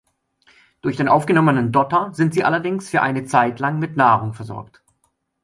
Durch den aufgenommenen Dotter sind sie allerdings für eine Zeitlang mit Nahrung versorgt.